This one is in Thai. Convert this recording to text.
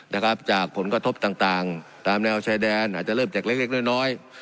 นะครับจากผลกระทบต่างต่างตามแนวชายแดนอาจจะเริ่มจากเล็กเล็กน้อยน้อย